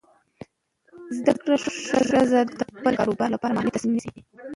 زده کړه ښځه د خپل کاروبار لپاره مالي تصمیم نیسي.